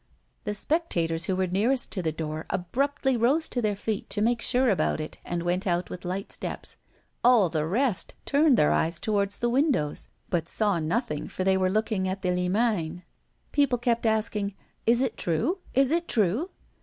The spectators who were nearest to the door abruptly rose to their feet to make sure about it, and went out with light steps. All the rest turned their eyes toward the windows, but saw nothing, for they were looking at the Limagne. People kept asking: "Is it true? Is it true?"